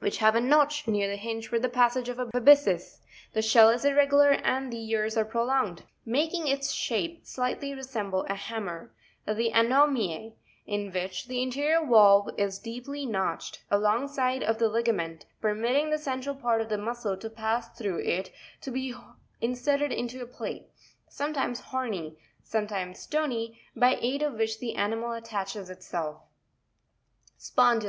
92)— which have a notch near the hinge for the passage of a byssus: the shell is irregular and the ears are prolonged, making its shape slightly resemble a hammer: the ANomia, in which the interior valve 5 is deeply notched ( fig. 98) alongside of the ligament, permitting re the central part of the muscle to pass through it to be inserted into a plate, sometimes horny, sometimes stony, by aid of which the animal attaches itself' Fig. 91.—PECTEN JAcoB&US. Fig. 92.—ma.